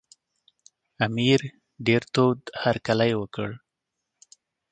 امیر ډېر تود هرکلی وکړ.